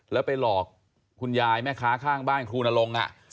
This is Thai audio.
แล้วไปหลอกคุณยายแม่ค้าข้างบ้านครูนรงค์